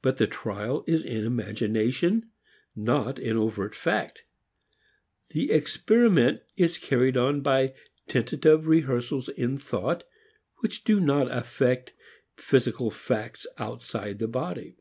But the trial is in imagination, not in overt fact. The experiment is carried on by tentative rehearsals in thought which do not affect physical facts outside the body.